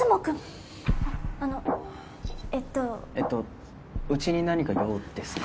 ああのえっとえっとうちに何か用ですか？